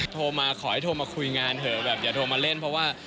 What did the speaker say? โทรมาขอให้โทรมาคุยงานเถอะแบบอย่าโทรมาเล่นเพราะว่า